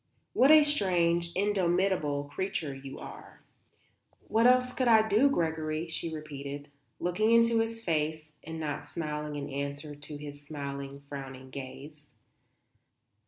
What a strange, indomitable creature you are." "What else could I do, Gregory?" she repeated, looking into his face and not smiling in answer to his smiling, frowning gaze.